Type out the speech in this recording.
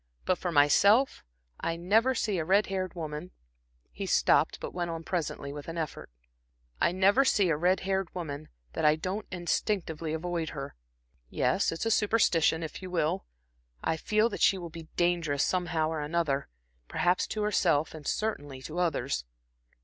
But for myself I never see a red haired woman" He stopped, but went on presently with an effort. "I never see a red haired woman, that I don't instinctively avoid her. Yes, it's a a superstition, if you will. I feel that she will be dangerous, somehow or another, perhaps to herself, and certainly to others."